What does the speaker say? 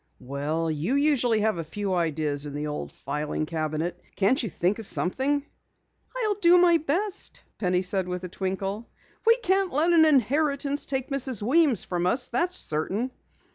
"Well, you usually have a few ideas in the old filing cabinet. Can't you think of something?" "I'll do my best," Penny said with a twinkle. "We can't let an inheritance take Mrs. Weems from us, that's certain."